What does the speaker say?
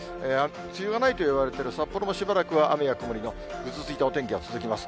梅雨がないといわれている札幌もしばらく雨や曇りのぐずついたお天気が続きます。